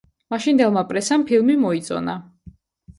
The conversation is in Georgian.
მაშინდელმა პრესამ ფილმი მოიწონა.